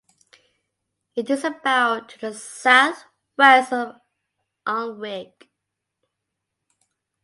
It is about to the south-west of Alnwick.